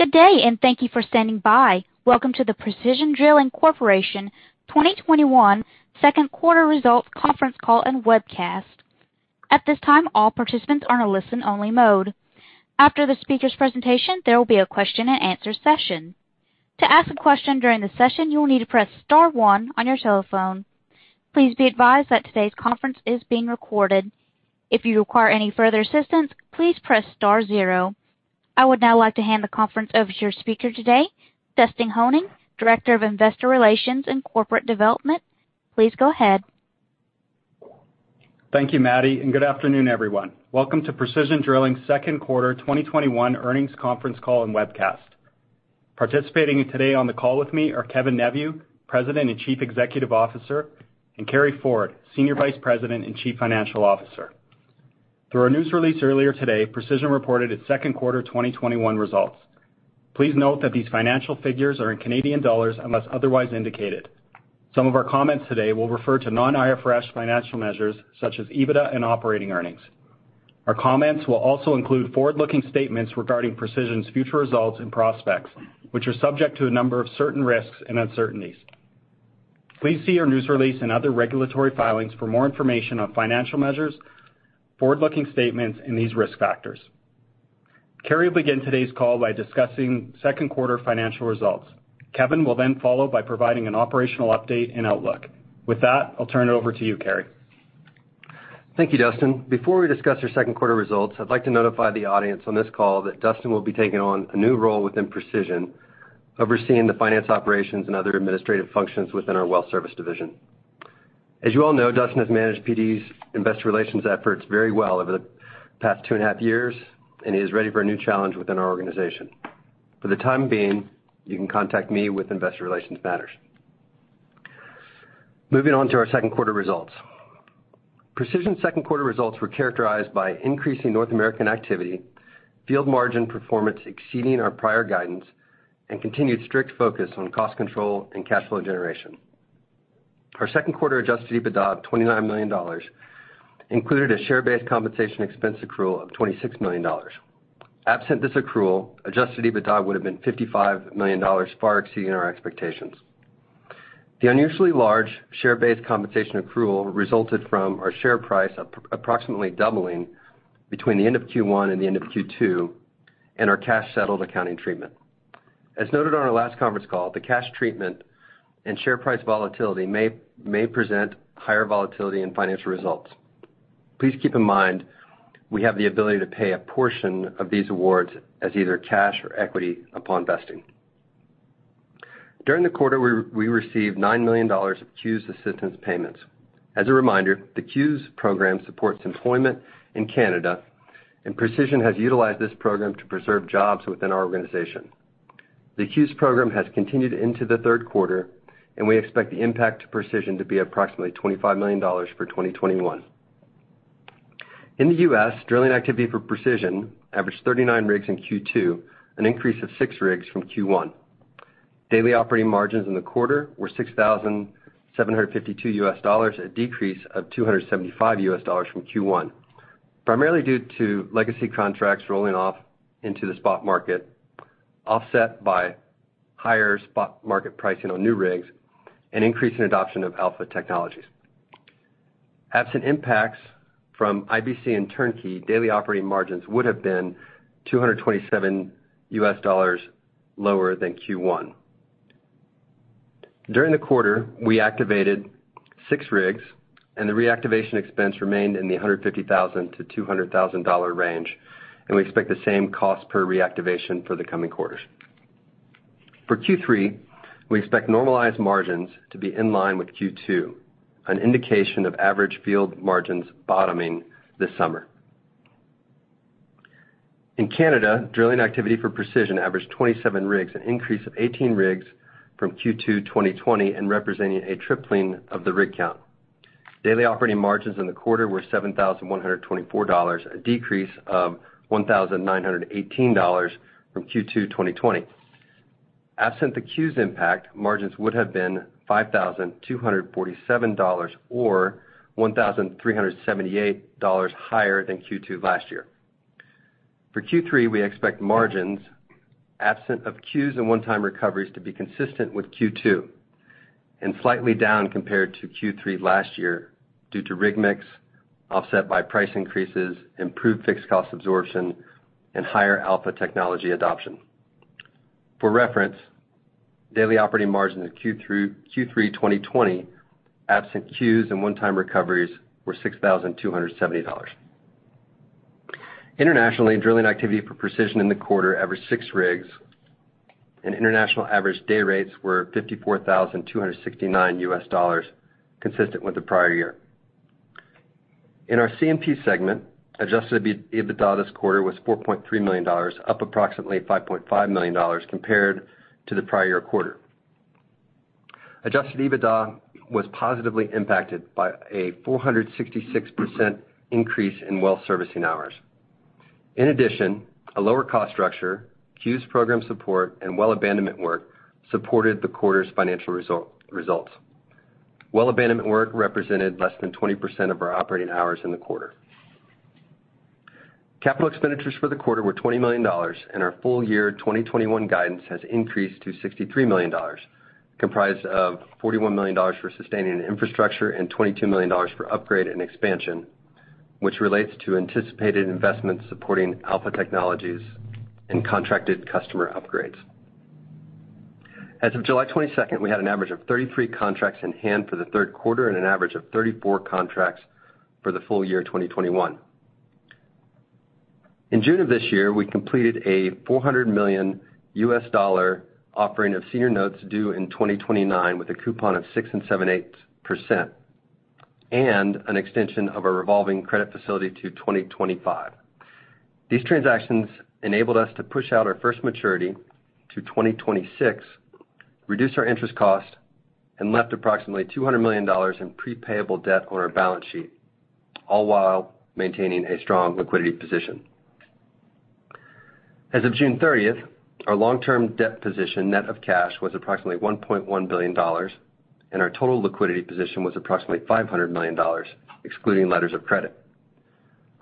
Good day, and thank you for standing by. Welcome to the Precision Drilling Corporation 2021 second quarter results conference call and webcast. I would now like to hand the conference over to your speaker today, Dustin Honing, Director of Investor Relations and Corporate Development. Please go ahead. Thank you, Maddie, and good afternoon, everyone. Welcome to Precision Drilling's second quarter 2021 earnings conference call and webcast. Participating today on the call with me are Kevin Neveu, President and Chief Executive Officer, and Carey Ford, Senior Vice President and Chief Financial Officer. Through our news release earlier today, Precision reported its second quarter 2021 results. Please note that these financial figures are in Canadian dollars unless otherwise indicated. Some of our comments today will refer to non-IFRS financial measures such as EBITDA and operating earnings. Our comments will also include forward-looking statements regarding Precision's future results and prospects, which are subject to a number of certain risks and uncertainties. Please see our news release and other regulatory filings for more information on financial measures, forward-looking statements and these risk factors. Carey will begin today's call by discussing second quarter financial results. Kevin will then follow by providing an operational update and outlook. With that, I'll turn it over to you, Carey. Thank you, Dustin. Before we discuss our second quarter results, I'd like to notify the audience on this call that Dustin will be taking on a new role within Precision, overseeing the finance operations and other administrative functions within our well service division. As you all know, Dustin has managed PD's investor relations efforts very well over the past 2.5 years and he is ready for a new challenge within our organization. For the time being, you can contact me with investor relations matters. Moving on to our second quarter results. Precision's second quarter results were characterized by increasing North American activity, field margin performance exceeding our prior guidance, and continued strict focus on cost control and cash flow generation. Our second quarter adjusted EBITDA of 29 million dollars included a share-based compensation expense accrual of 26 million dollars. Absent this accrual, adjusted EBITDA would have been 55 million dollars, far exceeding our expectations. The unusually large share-based compensation accrual resulted from our share price approximately doubling between the end of Q1 and the end of Q2 and our cash-settled accounting treatment. As noted on our last conference call, the cash treatment and share price volatility may present higher volatility in financial results. Please keep in mind we have the ability to pay a portion of these awards as either cash or equity upon vesting. During the quarter, we received 9 million dollars of CEWS assistance payments. As a reminder, the CEWS program supports employment in Canada, and Precision has utilized this program to preserve jobs within our organization. The CEWS program has continued into the third quarter, and we expect the impact to Precision to be approximately 25 million dollars for 2021. In the U.S., drilling activity for Precision averaged 39 rigs in Q2, an increase of six rigs from Q1. Daily operating margins in the quarter were $6,752, a decrease of $275 from Q1, primarily due to legacy contracts rolling off into the spot market, offset by higher spot market pricing on new rigs and increase in adoption of Alpha Technologies. Absent impacts from IBC and turnkey, daily operating margins would have been $227 lower than Q1. During the quarter, we activated six rigs and the reactivation expense remained in the $150,000-$200,000 range, and we expect the same cost per reactivation for the coming quarters. For Q3, we expect normalized margins to be in line with Q2, an indication of average field margins bottoming this summer. In Canada, drilling activity for Precision averaged 27 rigs, an increase of 18 rigs from Q2 2020 and representing a tripling of the rig count. Daily operating margins in the quarter were 7,124 dollars, a decrease of 1,918 dollars from Q2 2020. Absent the CEWS impact, margins would have been 5,247 dollars or 1,378 dollars higher than Q2 last year. For Q3, we expect margins absent of CEWS and one-time recoveries to be consistent with Q2 and slightly down compared to Q3 last year due to rig mix offset by price increases, improved fixed cost absorption, and higher Alpha technology adoption. For reference, daily operating margin in Q3 2020, absent CEWS and one-time recoveries, were 6,270 dollars. Internationally, drilling activity for Precision in the quarter averaged six rigs, and international average day rates were $54,269, consistent with the prior year. In our C&P segment, adjusted EBITDA this quarter was 4.3 million dollars, up approximately 5.5 million dollars compared to the prior quarter. Adjusted EBITDA was positively impacted by a 466% increase in well servicing hours. In addition, a lower cost structure, CEWS program support, and well abandonment work supported the quarter's financial results. Well abandonment work represented less than 20% of our operating hours in the quarter. Capital expenditures for the quarter were 20 million dollars, and our full-year 2021 guidance has increased to 63 million dollars, comprised of 41 million dollars for sustaining infrastructure and 22 million dollars for upgrade and expansion, which relates to anticipated investments supporting Alpha Technologies and contracted customer upgrades. As of July 22nd, we had an average of 33 contracts in hand for the third quarter and an average of 34 contracts for the full-year 2021. In June of this year, we completed a $400 million offering of senior notes due in 2029 with a coupon of 6.875%, and an extension of a revolving credit facility to 2025. These transactions enabled us to push out our first maturity to 2026, reduce our interest cost, and left approximately $200 million in pre-payable debt on our balance sheet, all while maintaining a strong liquidity position. As of June 30th, our long-term debt position net of cash was approximately $1.1 billion, and our total liquidity position was approximately $500 million, excluding letters of credit.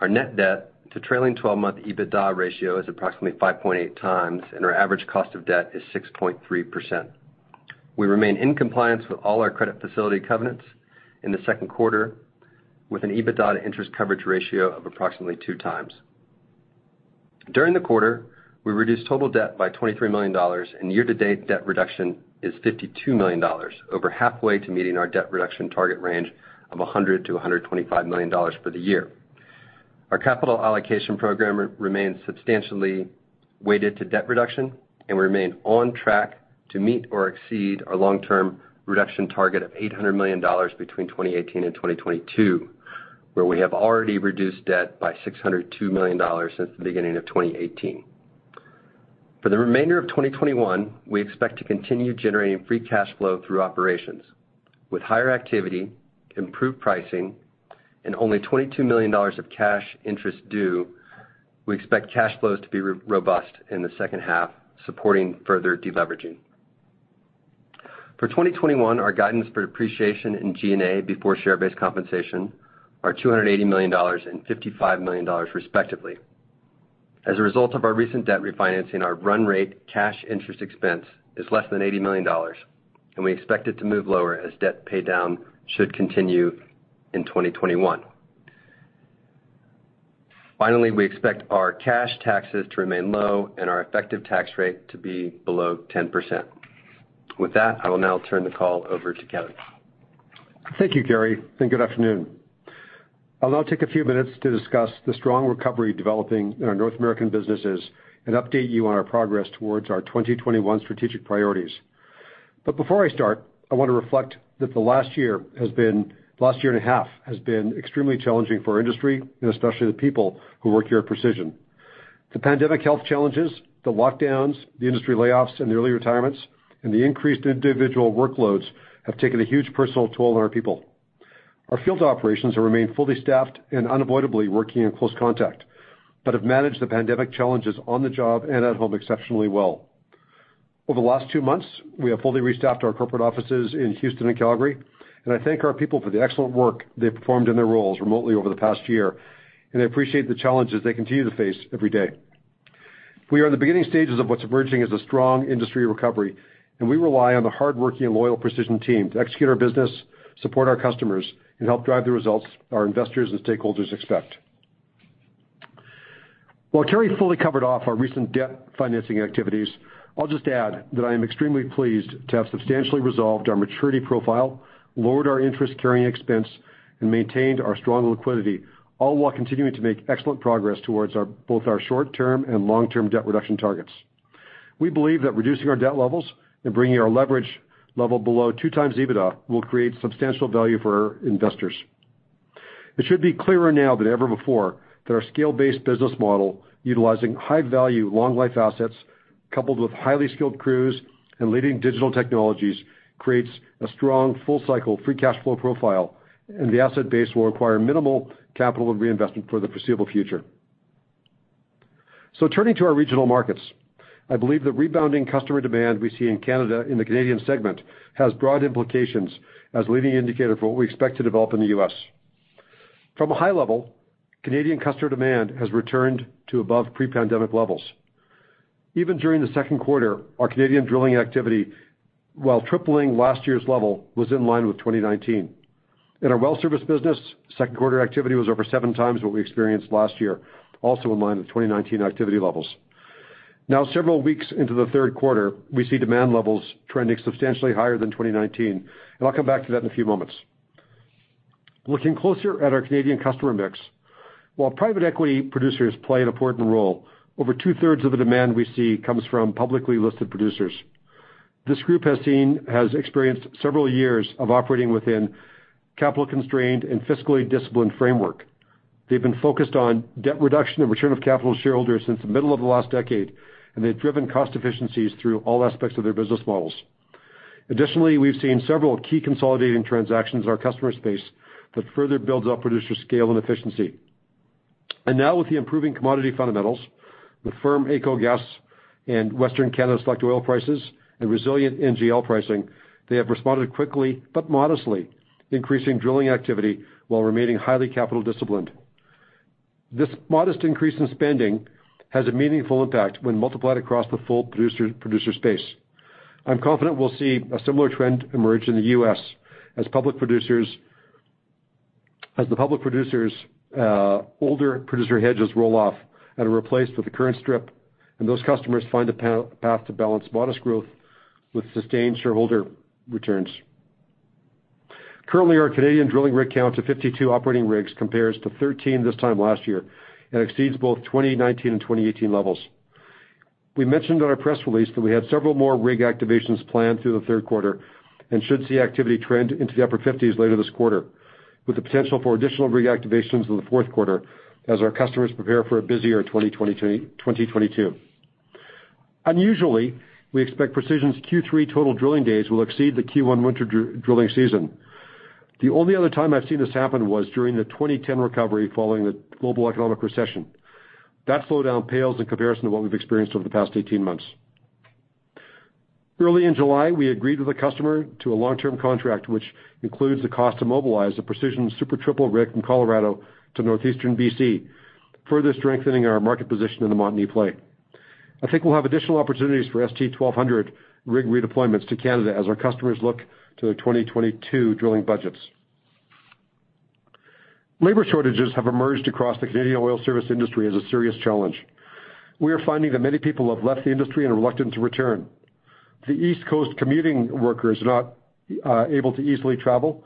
Our net debt to trailing 12-month EBITDA ratio is approximately 5.8x, and our average cost of debt is 6.3%. We remain in compliance with all our credit facility covenants in the second quarter, with an EBITDA interest coverage ratio of approximately 2x. During the quarter, we reduced total debt by 23 million dollars, and year-to-date debt reduction is 52 million dollars, over halfway to meeting our debt reduction target range of 100 million-125 million dollars for the year. Our capital allocation program remains substantially weighted to debt reduction, and we remain on track to meet or exceed our long-term reduction target of 800 million dollars between 2018 and 2022, where we have already reduced debt by 602 million dollars since the beginning of 2018. For the remainder of 2021, we expect to continue generating free cash flow through operations. With higher activity, improved pricing, and only 22 million dollars of cash interest due, we expect cash flows to be robust in the second half, supporting further deleveraging. For 2021, our guidance for depreciation and G&A before share-based compensation are 280 million dollars and 55 million dollars respectively. As a result of our recent debt refinancing, our run rate cash interest expense is less than 80 million dollars, and we expect it to move lower as debt paydown should continue in 2021. Finally, we expect our cash taxes to remain low and our effective tax rate to be below 10%. With that, I will now turn the call over to Kevin. Thank you, Carey, good afternoon. I'll now take a few minutes to discuss the strong recovery developing in our North American businesses and update you on our progress towards our 2021 strategic priorities. Before I start, I want to reflect that the last year and a half has been extremely challenging for our industry, and especially the people who work here at Precision. The pandemic health challenges, the lockdowns, the industry layoffs, and the early retirements, and the increased individual workloads have taken a huge personal toll on our people. Our field operations have remained fully staffed and unavoidably working in close contact, but have managed the pandemic challenges on the job and at home exceptionally well. Over the last two months, we have fully restaffed our corporate offices in Houston and Calgary, and I thank our people for the excellent work they've performed in their roles remotely over the past year, and I appreciate the challenges they continue to face every day. We are in the beginning stages of what's emerging as a strong industry recovery, and we rely on the hardworking and loyal Precision team to execute our business, support our customers, and help drive the results our investors and stakeholders expect. While Carey fully covered off our recent debt financing activities, I'll just add that I am extremely pleased to have substantially resolved our maturity profile, lowered our interest carrying expense, and maintained our strong liquidity, all while continuing to make excellent progress towards both our short-term and long-term debt reduction targets. We believe that reducing our debt levels and bringing our leverage level below 2x EBITDA will create substantial value for our investors. It should be clearer now than ever before that our scale-based business model utilizing high-value, long-life assets coupled with highly skilled crews and leading digital technologies, creates a strong full-cycle free cash flow profile, and the asset base will require minimal capital and reinvestment for the foreseeable future. Turning to our regional markets, I believe the rebounding customer demand we see in Canada in the Canadian segment has broad implications as a leading indicator for what we expect to develop in the U.S. From a high level, Canadian customer demand has returned to above pre-pandemic levels. Even during the second quarter, our Canadian drilling activity, while tripling last year's level, was in line with 2019. In our well service business, second quarter activity was over 7x what we experienced last year, also in line with 2019 activity levels. Now several weeks into the third quarter, we see demand levels trending substantially higher than 2019, and I'll come back to that in a few moments. Looking closer at our Canadian customer mix, while private equity producers play an important role, over 2/3 of the demand we see comes from publicly listed producers. This group has experienced several years of operating within capital-constrained and fiscally disciplined framework. They've been focused on debt reduction and return of capital to shareholders since the middle of the last decade, and they've driven cost efficiencies through all aspects of their business models. Additionally, we've seen several key consolidating transactions in our customer space that further builds up producer scale and efficiency. Now with the improving commodity fundamentals, with firm AECO Gas and Western Canada Select oil prices and resilient NGL pricing, they have responded quickly but modestly, increasing drilling activity while remaining highly capital disciplined. This modest increase in spending has a meaningful impact when multiplied across the full producer space. I'm confident we'll see a similar trend emerge in the U.S. as the public producers' older producer hedges roll off and are replaced with the current strip, and those customers find a path to balanced, modest growth with sustained shareholder returns. Currently, our Canadian drilling rig count to 52 operating rigs compares to 13 this time last year and exceeds both 2019 and 2018 levels. We mentioned in our press release that we had several more rig activations planned through the third quarter and should see activity trend into the upper 50s later this quarter, with the potential for additional rig activations in the fourth quarter as our customers prepare for a busier 2022. Unusually, we expect Precision's Q3 total drilling days will exceed the Q1 winter drilling season. The only other time I've seen this happen was during the 2010 recovery following the global economic recession. That slowdown pales in comparison to what we've experienced over the past 18 months. Early in July, we agreed with a customer to a long-term contract, which includes the cost to mobilize the Precision Super Triple rig from Colorado to northeastern B.C., further strengthening our market position in the Montney play. I think we'll have additional opportunities for ST 1200 rig redeployments to Canada as our customers look to their 2022 drilling budgets. Labor shortages have emerged across the Canadian oil service industry as a serious challenge. We are finding that many people have left the industry and are reluctant to return. The East Coast commuting workers are not able to easily travel,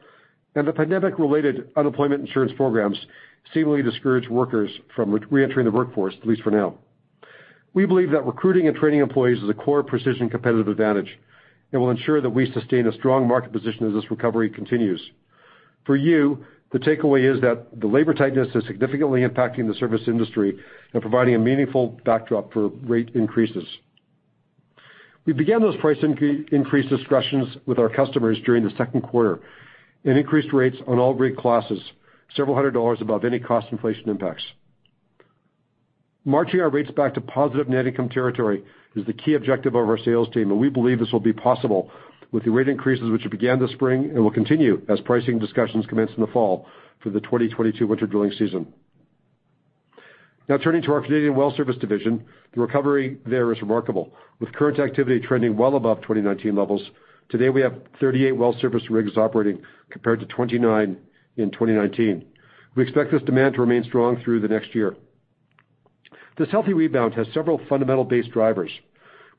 the pandemic-related unemployment insurance programs seemingly discourage workers from reentering the workforce, at least for now. We believe that recruiting and training employees is a core Precision competitive advantage and will ensure that we sustain a strong market position as this recovery continues. For you, the takeaway is that the labor tightness is significantly impacting the service industry and providing a meaningful backdrop for rate increases. We began those price increase discussions with our customers during the second quarter and increased rates on all rig classes several hundred dollars above any cost inflation impacts. Marching our rates back to positive net income territory is the key objective of our sales team, and we believe this will be possible with the rate increases which began this spring and will continue as pricing discussions commence in the fall for the 2022 winter drilling season. Now turning to our Canadian well service division. The recovery there is remarkable, with current activity trending well above 2019 levels. Today, we have 38 well service rigs operating compared to 29 in 2019. We expect this demand to remain strong through the next year. This healthy rebound has several fundamental base drivers.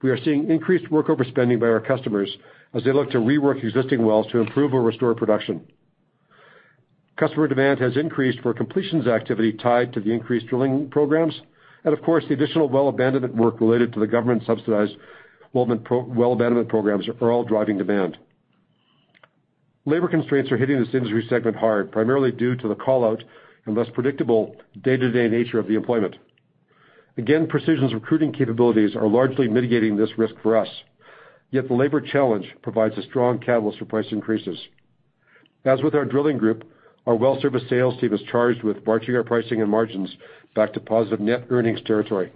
We are seeing increased workover spending by our customers as they look to rework existing wells to improve or restore production. Customer demand has increased for completions activity tied to the increased drilling programs. Of course, the additional well abandonment work related to the government-subsidized well abandonment programs are all driving demand. Labor constraints are hitting this industry segment hard, primarily due to the call-out and less predictable day-to-day nature of the employment. Again, Precision's recruiting capabilities are largely mitigating this risk for us. Yet the labor challenge provides a strong catalyst for price increases. As with our drilling group, our well service sales team is charged with marching our pricing and margins back to positive net earnings territory.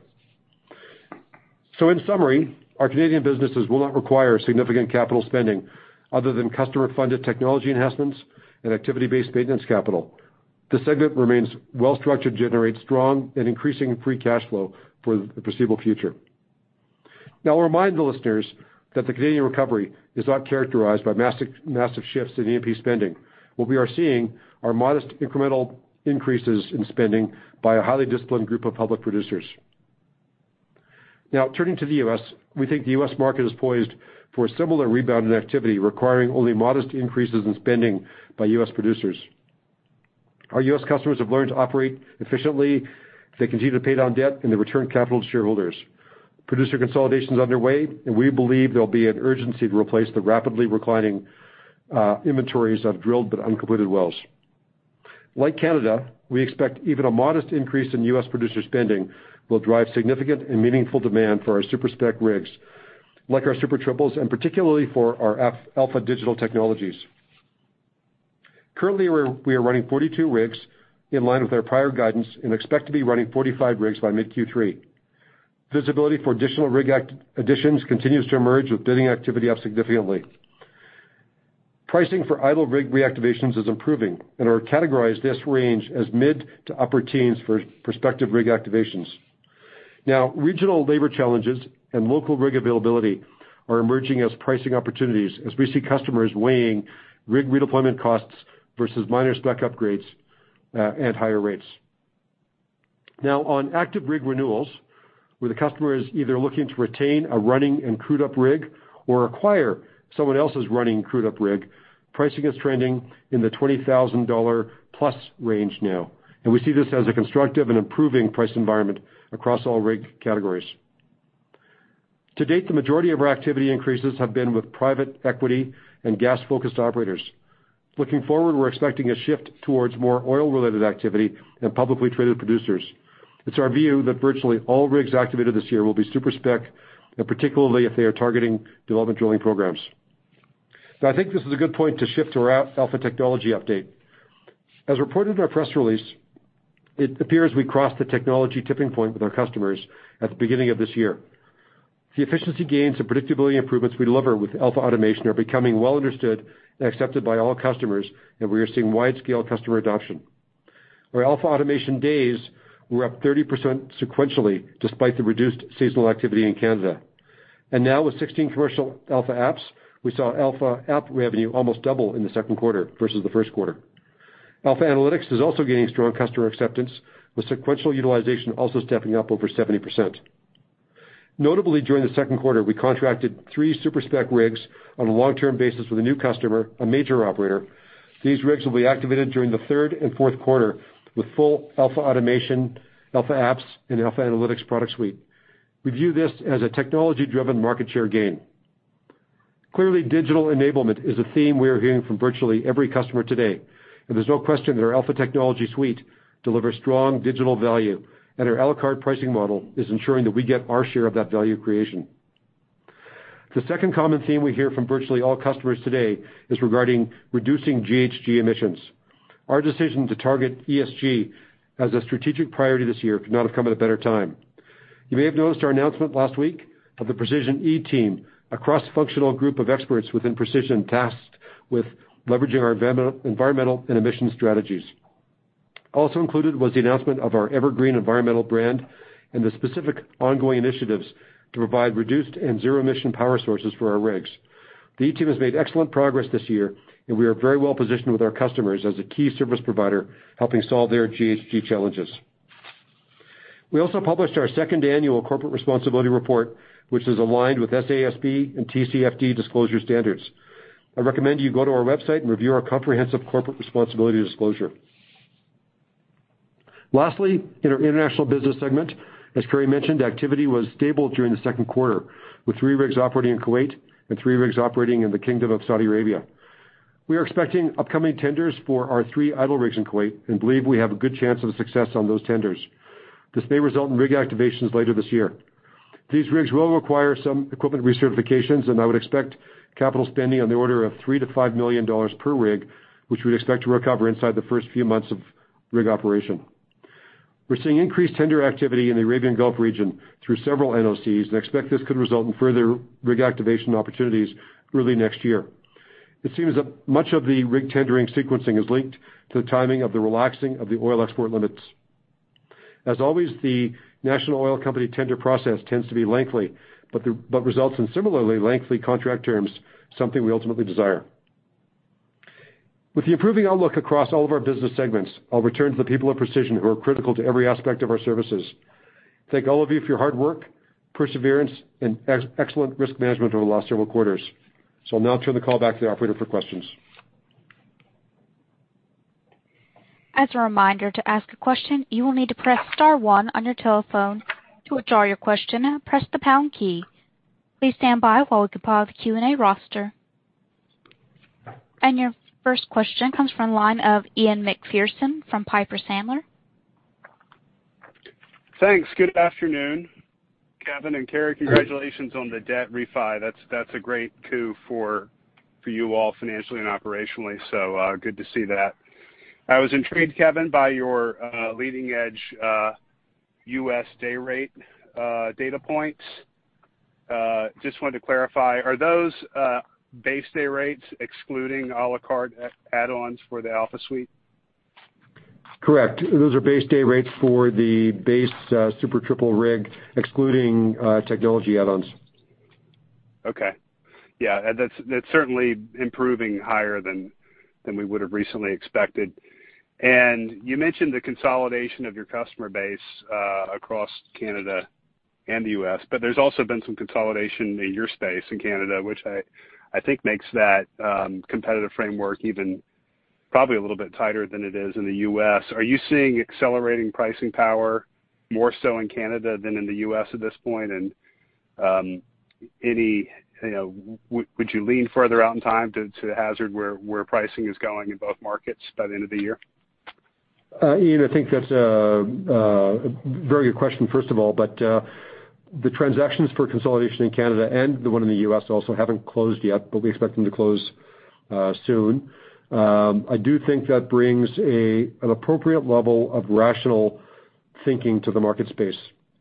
In summary, our Canadian businesses will not require significant capital spending other than customer-funded technology enhancements and activity-based maintenance capital. The segment remains well-structured to generate strong and increasing free cash flow for the foreseeable future. Now, I'll remind the listeners that the Canadian recovery is not characterized by massive shifts in E&P spending. What we are seeing are modest incremental increases in spending by a highly disciplined group of public producers. Now turning to the U.S. We think the U.S. market is poised for a similar rebound in activity, requiring only modest increases in spending by U.S. producers. Our U.S. customers have learned to operate efficiently. They continue to pay down debt and they return capital to shareholders. Producer consolidation is underway, and we believe there'll be an urgency to replace the rapidly reclining inventories of drilled but uncompleted wells. Like Canada, we expect even a modest increase in U.S. producer spending will drive significant and meaningful demand for our super-spec rigs, like our Super Triples and particularly for our Alpha Digital Technologies. Currently, we are running 42 rigs in line with our prior guidance and expect to be running 45 rigs by mid Q3. Visibility for additional rig additions continues to emerge with bidding activity up significantly. Pricing for idle rig reactivations is improving and are categorized this range as mid to upper teens for prospective rig activations. Regional labor challenges and local rig availability are emerging as pricing opportunities as we see customers weighing rig redeployment costs versus minor spec upgrades at higher rates. On active rig renewals, where the customer is either looking to retain a running and crewed up rig or acquire someone else's running crude up rig, pricing is trending in the 20,000+ dollar range now, and we see this as a constructive and improving price environment across all rig categories. To date, the majority of our activity increases have been with private equity and gas-focused operators. Looking forward, we're expecting a shift towards more oil-related activity and publicly traded producers. It's our view that virtually all rigs activated this year will be super-spec, and particularly if they are targeting development drilling programs. I think this is a good point to shift to our Alpha Technologies update. As reported in our press release, it appears we crossed the technology tipping point with our customers at the beginning of this year. The efficiency gains and predictability improvements we deliver with AlphaAutomation are becoming well understood and accepted by all customers, and we are seeing wide-scale customer adoption. Our AlphaAutomation days were up 30% sequentially, despite the reduced seasonal activity in Canada. Now with 16 commercial AlphaApps, we saw AlphaApp revenue almost double in the second quarter versus the first quarter. AlphaAnalytics is also gaining strong customer acceptance, with sequential utilization also stepping up over 70%. Notably, during the second quarter, we contracted three super-spec rigs on a long-term basis with a new customer, a major operator. These rigs will be activated during the third and fourth quarter with full AlphaAutomation, AlphaApps and AlphaAnalytics product suite. We view this as a technology-driven market share gain. Clearly, digital enablement is a theme we are hearing from virtually every customer today, and there's no question that our Alpha technologies suite delivers strong digital value, and our a la carte pricing model is ensuring that we get our share of that value creation. The second common theme we hear from virtually all customers today is regarding reducing GHG emissions. Our decision to target ESG as a strategic priority this year could not have come at a better time. You may have noticed our announcement last week of the Precision E-Team, a cross-functional group of experts within Precision tasked with leveraging our environmental and emissions strategies. Also included was the announcement of our EverGreen environmental brand and the specific ongoing initiatives to provide reduced and zero-emission power sources for our rigs. The E-Team has made excellent progress this year, and we are very well positioned with our customers as a key service provider, helping solve their GHG challenges. We also published our second annual corporate responsibility report, which is aligned with SASB and TCFD disclosure standards. I recommend you go to our website and review our comprehensive corporate responsibility disclosure. Lastly, in our international business segment, as Carey mentioned, activity was stable during the second quarter, with three rigs operating in Kuwait and three rigs operating in the Kingdom of Saudi Arabia. We are expecting upcoming tenders for our three idle rigs in Kuwait and believe we have a good chance of success on those tenders. This may result in rig activations later this year. These rigs will require some equipment recertifications, and I would expect capital spending on the order of 3 million-5 million dollars per rig, which we'd expect to recover inside the first few months of rig operation. We're seeing increased tender activity in the Arabian Gulf region through several NOCs and expect this could result in further rig activation opportunities early next year. It seems that much of the rig tendering sequencing is linked to the timing of the relaxing of the oil export limits. As always, the national oil company tender process tends to be lengthy, but results in similarly lengthy contract terms, something we ultimately desire. With the improving outlook across all of our business segments, I'll return to the people of Precision Drilling who are critical to every aspect of our services. Thank all of you for your hard work, perseverance, and excellent risk management over the last several quarters. I'll now turn the call back to the operator for questions. Your first question comes from the line of Ian Macpherson from Piper Sandler. Thanks. Good afternoon, Kevin and Carey. Congratulations on the debt refi. That's a great coup for you all financially and operationally, so good to see that. I was intrigued, Kevin, by your leading edge U.S. day rate data points. Just wanted to clarify, are those base day rates excluding a la carte add-ons for the Alpha suite? Correct. Those are base day rates for the base Super Triple rig, excluding technology add-ons. Okay. Yeah. That's certainly improving higher than we would've recently expected. You mentioned the consolidation of your customer base across Canada and the U.S., but there's also been some consolidation in your space in Canada, which I think makes that competitive framework even probably a little bit tighter than it is in the U.S. Are you seeing accelerating pricing power more so in Canada than in the U.S. at this point? Would you lean further out in time to hazard where pricing is going in both markets by the end of the year? Ian, I think that's a very good question first of all. The transactions for consolidation in Canada and the one in the U.S. also haven't closed yet, but we expect them to close soon. I do think that brings an appropriate level of rational thinking to the market space.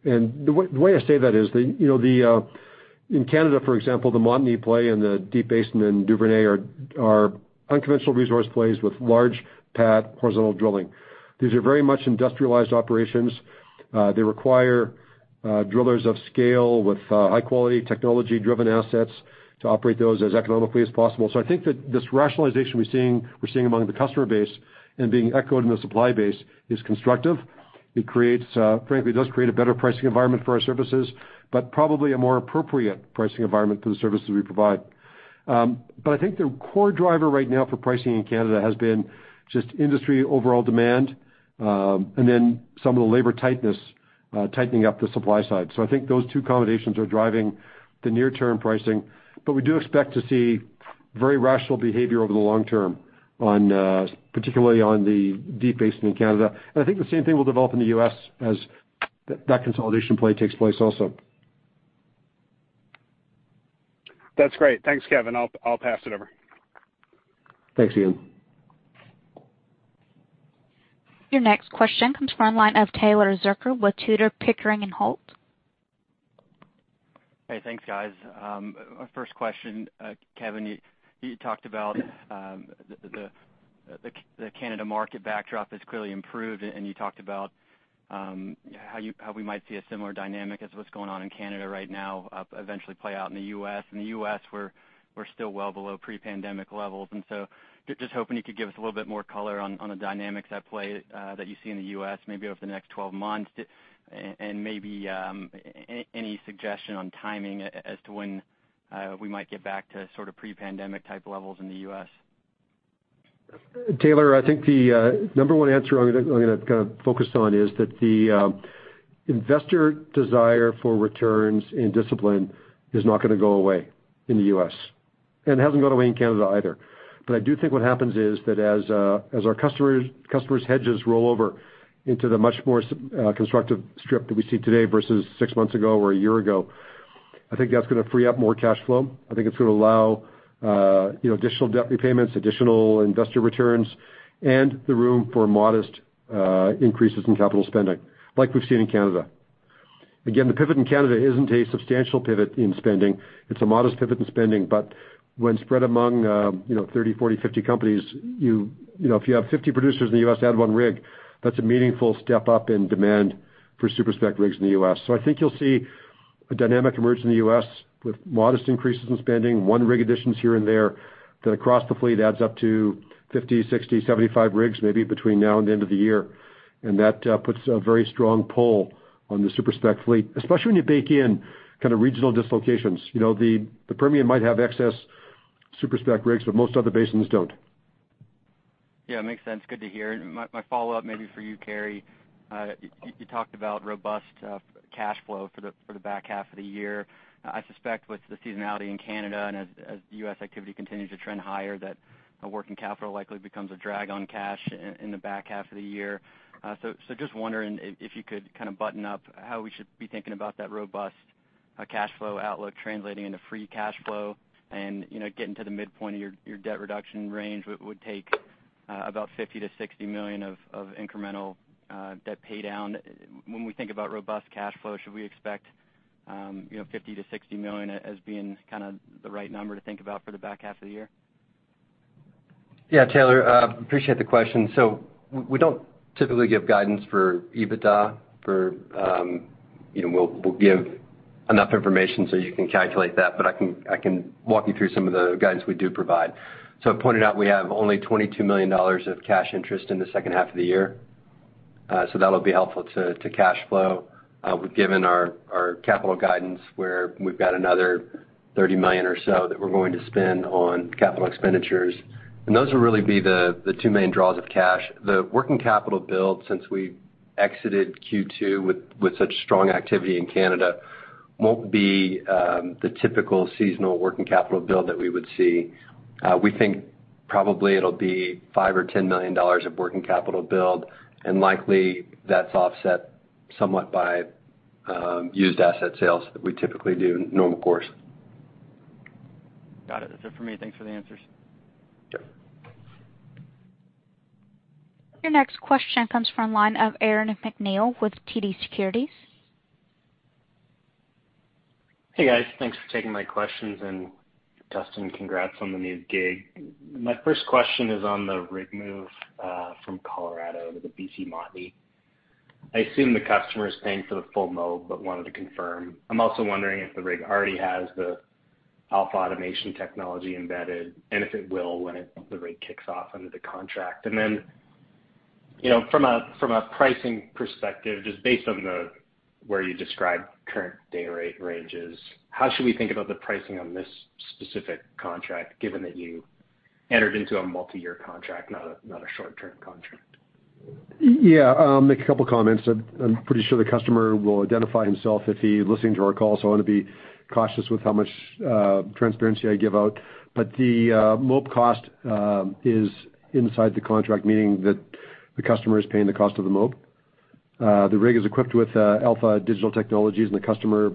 The way I say that is, in Canada, for example, the Montney play and the Deep Basin in Duvernay are unconventional resource plays with large pad horizontal drilling. These are very much industrialized operations. They require drillers of scale with high-quality technology-driven assets to operate those as economically as possible. I think that this rationalization we're seeing among the customer base and being echoed in the supply base is constructive. Frankly, it does create a better pricing environment for our services, but probably a more appropriate pricing environment for the services we provide. I think the core driver right now for pricing in Canada has been just industry overall demand, and then some of the labor tightness tightening up the supply side. I think those two combinations are driving the near-term pricing, but we do expect to see very rational behavior over the long term, particularly on the Deep Basin in Canada. I think the same thing will develop in the U.S. as that consolidation play takes place also. That's great. Thanks, Kevin. I'll pass it over. Thanks, Ian. Your next question comes from the line of Taylor Zurcher with Tudor, Pickering and Holt. Hey, thanks, guys. First question, Kevin, you talked about the Canada market backdrop has clearly improved, and you talked about how we might see a similar dynamic as what's going on in Canada right now eventually play out in the U.S. In the U.S., we're still well below pre-pandemic levels, and so just hoping you could give us a little bit more color on the dynamics at play that you see in the U.S. maybe over the next 12 months, and maybe any suggestion on timing as to when we might get back to pre-pandemic type levels in the U.S. Taylor, I think the number one answer I'm going to focus on is that the investor desire for returns and discipline is not going to go away in the U.S., and it hasn't gone away in Canada either. I do think what happens is that as our customers' hedges roll over into the much more constructive strip that we see today versus six months ago or a year ago, I think that's going to free up more cash flow. I think it's going to allow additional debt repayments, additional investor returns, and the room for modest increases in capital spending like we've seen in Canada. Again, the pivot in Canada isn't a substantial pivot in spending. It's a modest pivot in spending, but when spread among 30, 40, 50 companies, if you have 50 producers in the U.S. that have one rig, that's a meaningful step up in demand for super-spec rigs in the U.S. I think you'll see a dynamic emerge in the U.S. with modest increases in spending, one rig additions here and there, that across the fleet adds up to 50, 60, 75 rigs, maybe between now and the end of the year. That puts a very strong pull on the super-spec fleet, especially when you bake in regional dislocations. The Permian might have excess super-spec rigs, but most other basins don't. Yeah, makes sense. Good to hear. My follow-up maybe for you, Carey. You talked about robust cash flow for the back half of the year. I suspect with the seasonality in Canada and as U.S. activity continues to trend higher, that working capital likely becomes a drag on cash in the back half of the year. Just wondering if you could button up how we should be thinking about that robust cash flow outlook translating into free cash flow and getting to the midpoint of your debt reduction range would take about 50 million-60 million of incremental debt paydown. When we think about robust cash flow, should we expect 50 million-60 million as being the right number to think about for the back half of the year? Yeah, Taylor, appreciate the question. We don't typically give guidance for EBITDA. We'll give enough information so you can calculate that, but I can walk you through some of the guidance we do provide. I pointed out we have only 22 million dollars of cash interest in the second half of the year. That'll be helpful to cash flow. We've given our capital guidance where we've got another 30 million or so that we're going to spend on capital expenditures. Those will really be the two main draws of cash. The working capital build, since we exited Q2 with such strong activity in Canada, won't be the typical seasonal working capital build that we would see. We think probably it'll be 5 million-10 million dollars of working capital build, and likely that's offset somewhat by used asset sales that we typically do in normal course. Got it. That's it for me. Thanks for the answers. Sure. Your next question comes from the line of Aaron MacNeil with TD Securities. Hey, guys. Thanks for taking my questions. Dustin, congrats on the new gig. My first question is on the rig move from Colorado to the B.C. Montney. I assume the customer is paying for the full mob, but wanted to confirm. I'm also wondering if the rig already has the Alpha automation technology embedded, and if it will when the rig kicks off under the contract. Then, from a pricing perspective, just based on where you describe current day rate ranges, how should we think about the pricing on this specific contract, given that you entered into a multi-year contract, not a short-term contract? Yeah. I'll make a couple comments. I'm pretty sure the customer will identify himself if he's listening to our call, I want to be cautious with how much transparency I give out. The mob cost is inside the contract, meaning that the customer is paying the cost of the mob. The rig is equipped with Alpha Digital Technologies, and the customer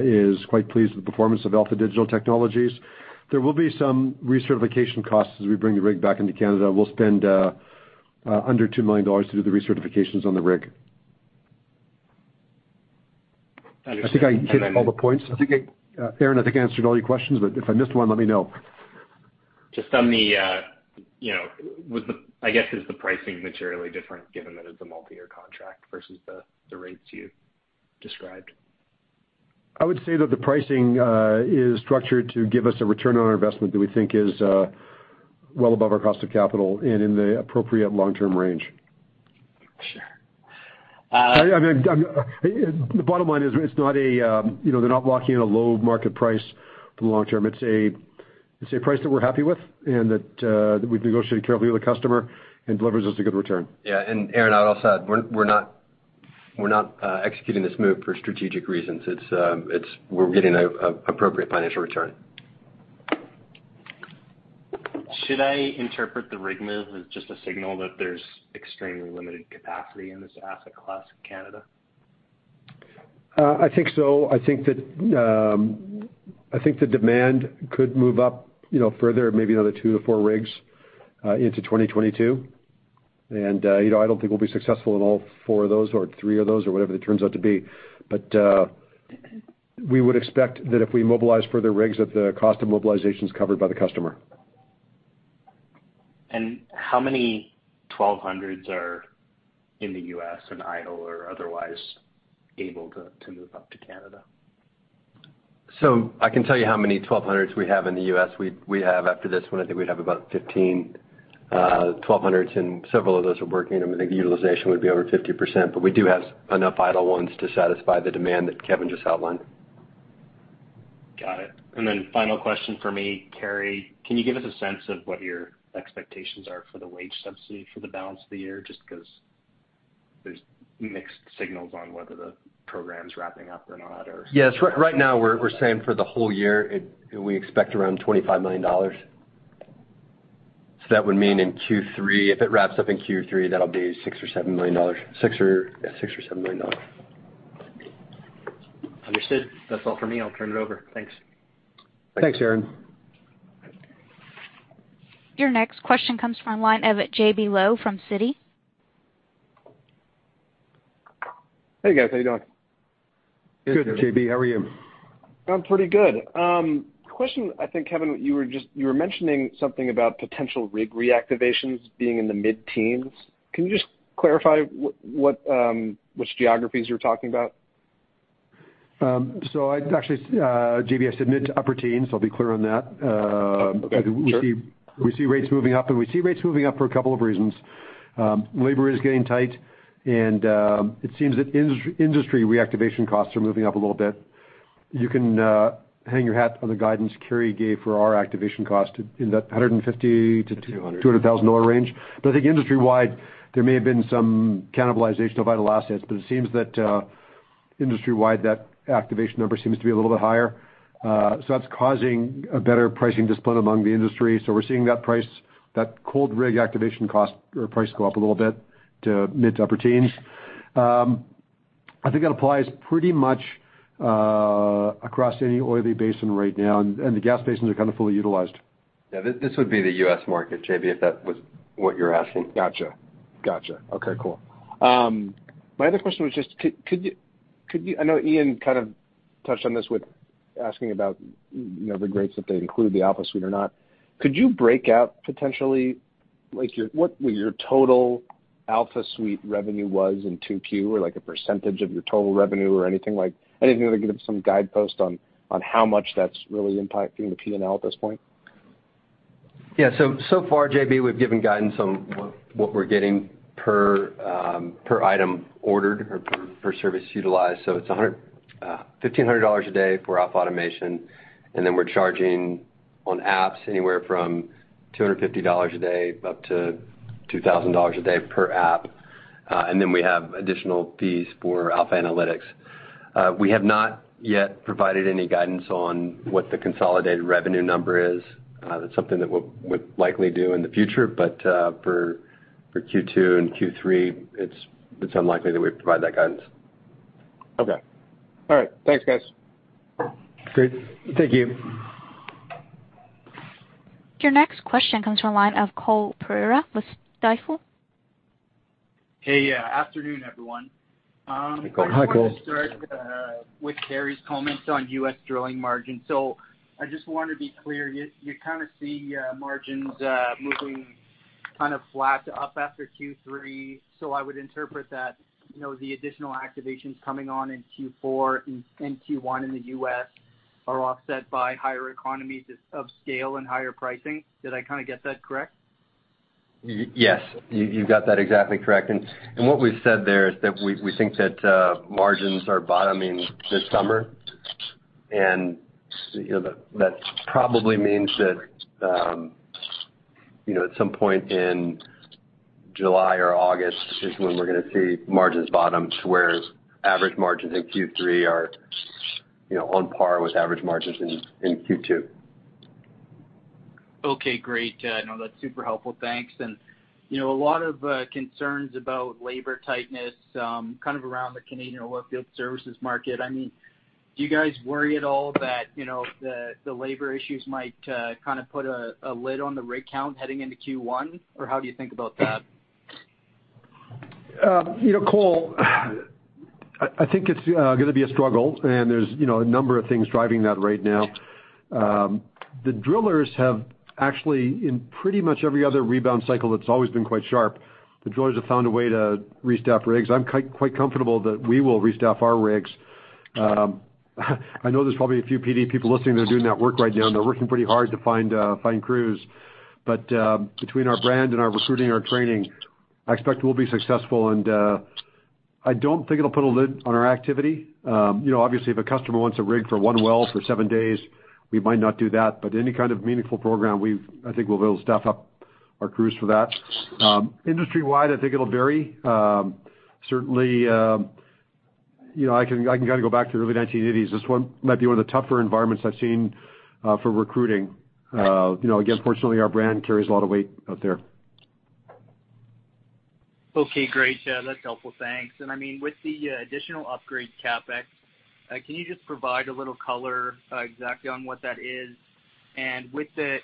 is quite pleased with the performance of Alpha Digital Technologies. There will be some recertification costs as we bring the rig back into Canada. We'll spend under 2 million dollars to do the recertifications on the rig. Understood. I think I hit all the points. Aaron, I think I answered all your questions, but if I missed one, let me know. I guess, is the pricing materially different given that it's a multi-year contract versus the rates you described? I would say that the pricing is structured to give us a return on our investment that we think is well above our cost of capital and in the appropriate long-term range. Sure. The bottom line is they're not locking in a low market price for the long term. It's a price that we're happy with and that we've negotiated carefully with the customer and delivers us a good return. Yeah. Aaron, I'd also add, we're not executing this move for strategic reasons. We're getting an appropriate financial return. Should I interpret the rig move as just a signal that there's extremely limited capacity in this asset class in Canada? I think so. I think the demand could move up further, maybe another two to four rigs, into 2022. I don't think we'll be successful in all four of those or three of those or whatever it turns out to be. We would expect that if we mobilize further rigs, that the cost of mobilization is covered by the customer. How many 1200s are in the U.S. and idle or otherwise able to move up to Canada? I can tell you how many 1200s we have in the U.S. We have, after this one, I think we'd have about 15 1200s, and several of those are working, and I think utilization would be over 50%. We do have enough idle ones to satisfy the demand that Kevin just outlined. Got it. Final question from me. Carey, can you give us a sense of what your expectations are for the wage subsidy for the balance of the year, just because there's mixed signals on whether the program's wrapping up or not? Yes. Right now we're saying for the whole year, we expect around 25 million dollars. That would mean in Q3, if it wraps up in Q3, that'll be 6 million or 7 million dollars. Understood, that's all for me. I'll turn it over, thanks. Thanks, Aaron. Your next question comes from the line of J.B. Lowe from Citi. Hey, guys. How you doing? Good, J.B., how are you? I'm pretty good. Question, I think, Kevin, you were mentioning something about potential rig reactivations being in the mid-teens. Can you just clarify which geographies you're talking about? Actually, J.B., I said mid to upper teens, I will be clear on that. Okay, sure. We see rates moving up, and we see rates moving up for a couple of reasons. It seems that industry reactivation costs are moving up a little bit. You can hang your hat on the guidance Carey gave for our activation cost in that 150,000 to- 200,000 dollar. 200,000 dollar range. I think industry-wide, there may have been some cannibalization of idle assets, but it seems that industry-wide, that activation number seems to be a little bit higher. That's causing a better pricing discipline among the industry. We're seeing that price, that cold rig activation cost or price go up a little bit to mid-to-upper teens. I think that applies pretty much across any oily basin right now, and the gas basins are kind of fully utilized. Yeah. This would be the U.S. market, J.B., if that was what you were asking. Got you. Okay, cool. My other question was just, I know Ian kind of touched on this with asking about the rates if they include the Alpha Suite or not. Could you break out potentially what your total Alpha Suite revenue was in 2Q or like a percentage of your total revenue or anything like that could give some guidepost on how much that's really impacting the P&L at this point? So far, J.B., we've given guidance on what we're getting per item ordered or per service utilized. It's 1,500 dollars a day for AlphaAutomation, then we're charging on apps anywhere from 250 dollars a day up to 2,000 dollars a day per app. We have additional fees for AlphaAnalytics. We have not yet provided any guidance on what the consolidated revenue number is. That's something that we'll likely do in the future. For Q2 and Q3, it's unlikely that we provide that guidance. Okay. All right. Thanks, guys. Great. Thank you. Your next question comes from the line of Cole Pereira with Stifel. Hey. Afternoon, everyone. Hey, Cole. Hi, Cole. I just wanted to start with Carey's comments on U.S. drilling margins. I just want to be clear, you kind of see margins moving kind of flat to up after Q3. I would interpret that, the additional activations coming on in Q4 and Q1 in the U.S. are offset by higher economies of scale and higher pricing. Did I kind of get that correct? Yes. You got that exactly correct. What we've said there is that we think that margins are bottoming this summer, and that probably means that at some point in July or August is when we're going to see margins bottom to where average margins in Q3 are on par with average margins in Q2. Okay, great. No, that's super helpful. Thanks. A lot of concerns about labor tightness kind of around the Canadian oilfield services market. Do you guys worry at all that the labor issues might kind of put a lid on the rig count heading into Q1? How do you think about that? Cole, I think it's gonna be a struggle, and there's a number of things driving that right now. The drillers have actually, in pretty much every other rebound cycle, it's always been quite sharp. The drillers have found a way to restaff rigs. I'm quite comfortable that we will restaff our rigs. I know there's probably a few PD people listening that are doing that work right now, and they're working pretty hard to find crews. Between our brand and our recruiting and our training, I expect we'll be successful, and I don't think it'll put a lid on our activity. Obviously, if a customer wants a rig for one well for seven days, we might not do that, but any kind of meaningful program, I think we'll be able to staff up our crews for that. Industry-wide, I think it'll vary. Certainly, I can go back to the early 1980s. This might be one of the tougher environments I've seen for recruiting. Again, fortunately, our brand carries a lot of weight out there. Okay, great. That's helpful. Thanks. With the additional upgrade CapEx, can you just provide a little color exactly on what that is? With the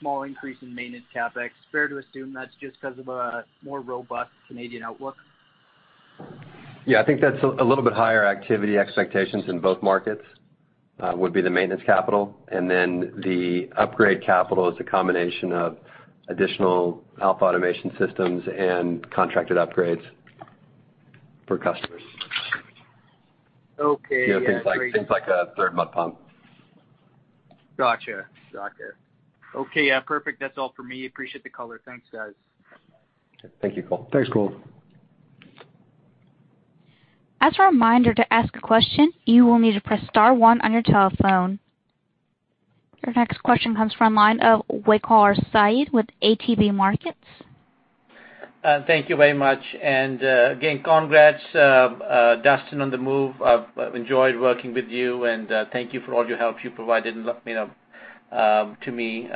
small increase in maintenance CapEx, fair to assume that's just because of a more robust Canadian outlook? Yeah, I think that's a little bit higher activity expectations in both markets, would be the maintenance capital. The upgrade capital is a combination of additional Alpha automation systems and contracted upgrades for customers. Okay. Yeah, things like a third mud pump. Got you. Okay. Yeah, perfect. That's all for me. Appreciate the color. Thanks, guys. Thank you, Cole. Thanks, Cole. Your next question comes from the line of Waqar Syed with ATB Capital Markets. Thank you very much. Again, congrats, Dustin, on the move. I've enjoyed working with you and thank you for all your help you provided to me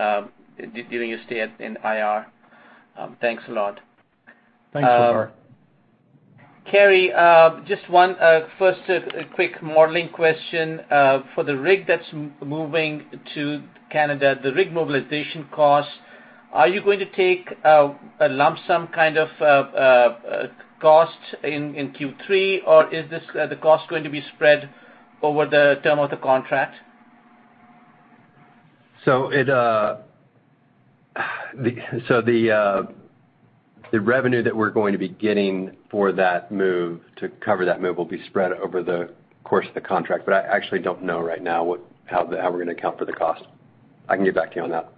during your stay in IR. Thanks a lot. Thanks, Waqar. Carey, just one first quick modeling question. For the rig that's moving to Canada, the rig mobilization cost, are you going to take a lump sum kind of cost in Q3, or is the cost going to be spread over the term of the contract? The revenue that we're going to be getting to cover that move will be spread over the course of the contract. I actually don't know right now how we're going to account for the cost. I can get back to you on that.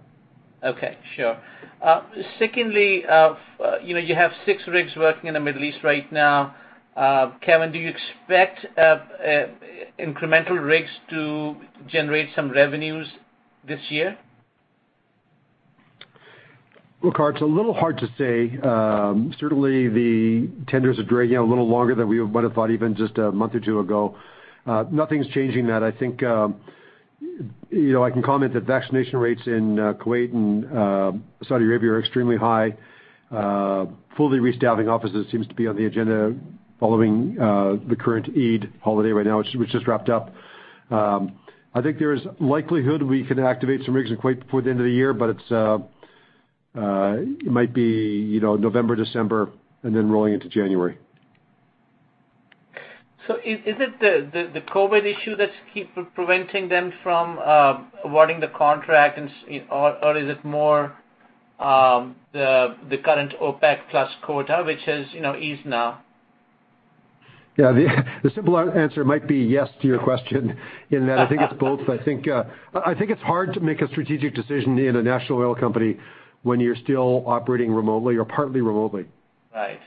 Okay, sure. Secondly, you have six rigs working in the Middle East right now. Kevin, do you expect incremental rigs to generate some revenues this year? Look, it's a little hard to say. Certainly the tenders are dragging out a little longer than we would have thought, even just a month or two ago. Nothing's changing that. I think I can comment that vaccination rates in Kuwait and Saudi Arabia are extremely high. Fully restaffing offices seems to be on the agenda following the current Eid holiday right now, which just wrapped up. I think there is likelihood we can activate some rigs in Kuwait before the end of the year, but it might be November, December, and then rolling into January. Is it the COVID issue that's keep preventing them from awarding the contract or is it more the current OPEC+ quota, which has eased now? Yeah. The simple answer might be yes to your question in that I think it's both. I think it's hard to make a strategic decision in a National Oil Company when you're still operating remotely or partly remotely. Right.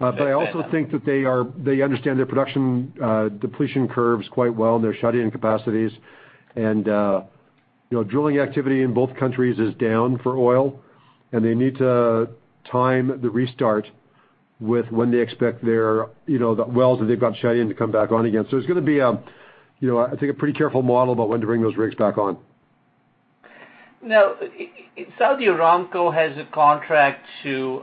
I also think that they understand their production depletion curves quite well and their shut-in capacities. Drilling activity in both countries is down for oil, and they need to time the restart with when they expect their wells that they've got shut in to come back on again. It's going to be, I think, a pretty careful model about when to bring those rigs back on. Saudi Aramco has a contract to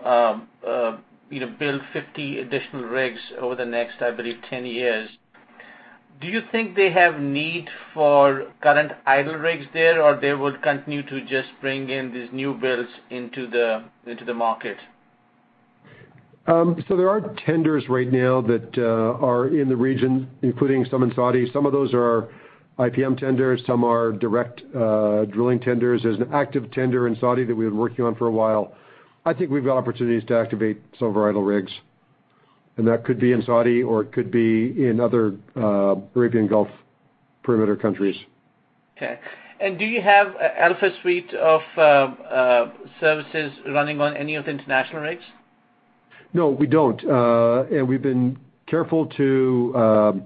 build 50 additional rigs over the next, I believe, 10 years. Do you think they have need for current idle rigs there, or they will continue to just bring in these new builds into the market? There are tenders right now that are in the region, including some in Saudi. Some of those are IPM tenders, some are direct drilling tenders. There's an active tender in Saudi that we've been working on for a while. I think we've got opportunities to activate some of our idle rigs, and that could be in Saudi or it could be in other Arabian Gulf perimeter countries. Okay. Do you have Alpha suite of services running on any of the international rigs? No, we don't. We've been careful to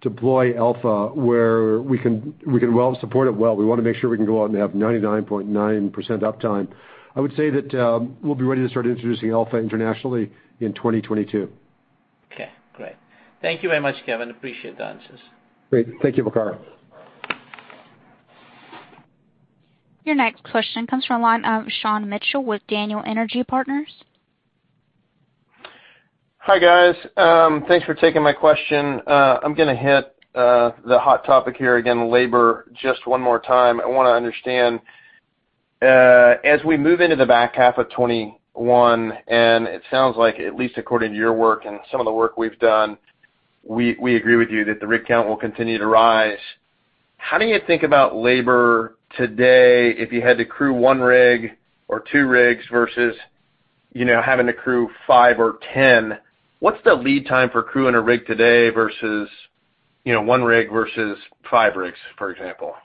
deploy Alpha where we can support it well. We want to make sure we can go out and have 99.9% uptime. I would say that we'll be ready to start introducing Alpha internationally in 2022. Okay, great. Thank you very much, Kevin. Appreciate the answers. Great. Thank you, Waqar. Your next question comes from the line of Sean Mitchell with Daniel Energy Partners. Hi, guys. Thanks for taking my question. I'm going to hit the hot topic here again, labor, just one more time. I want to understand, as we move into the back half of 2021, and it sounds like, at least according to your work and some of the work we've done, we agree with you that the rig count will continue to rise. How do you think about labor today if you had to crew one rig or two rigs versus having to crew five or 10? What's the lead time for crewing a rig today, one rig versus five rigs, for example? Yeah,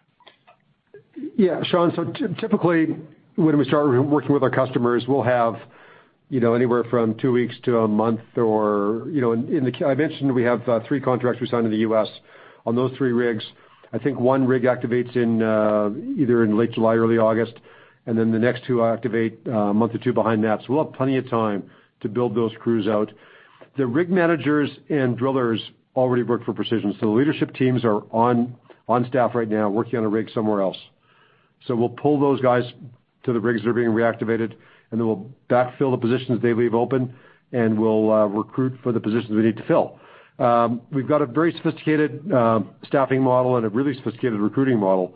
Sean. Typically, when we start working with our customers, we'll have anywhere from two weeks to a month. I mentioned we have three contracts we signed in the U.S. On those three rigs, I think one rig activates either in late July or early August, and then the next two activate a month or two behind that. We'll have plenty of time to build those crews out. The rig managers and drillers already worked for Precision Drilling, the leadership teams are on staff right now working on a rig somewhere else. We'll pull those guys to the rigs that are being reactivated, we'll backfill the positions they leave open, we'll recruit for the positions we need to fill. We've got a very sophisticated staffing model and a really sophisticated recruiting model.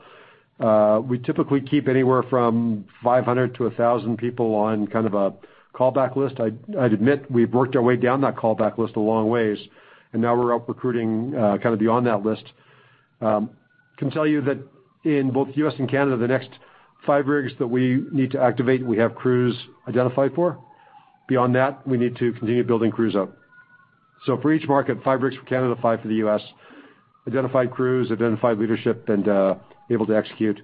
We typically keep anywhere from 500-1,000 people on kind of a callback list. I'd admit we've worked our way down that callback list a long way, and now we're out recruiting kind of beyond that list. Can tell you that in both U.S. and Canada, the next five rigs that we need to activate, we have crews identified for. Beyond that, we need to continue building crews up. For each market, five rigs for Canada, five for the U.S., identified crews, identified leadership, and able to execute.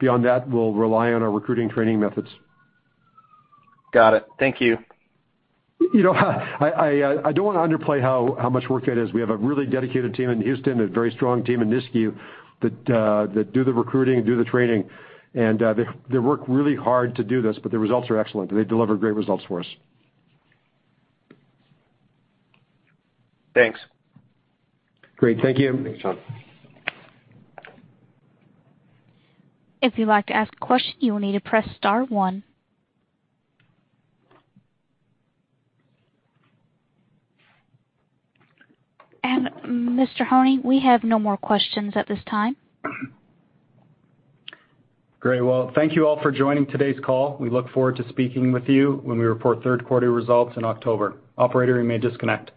Beyond that, we'll rely on our recruiting training methods. Got it, thank you. I don't want to underplay how much work that is. We have a really dedicated team in Houston, a very strong team in Nisku that do the recruiting and do the training, and they work really hard to do this, but the results are excellent. They deliver great results for us. Great. Thank you. Thanks, Sean. If you'd like to ask a question, you will need to press star one. Mr. Honing, we have no more questions at this time. Great. Well, thank you all for joining today's call. We look forward to speaking with you when we report third quarter results in October. Operator, you may disconnect.